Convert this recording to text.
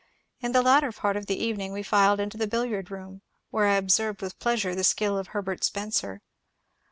In the latter part of the evening we filed into the billiard room, where I observed with pleasure the skill of Herbert Spencer.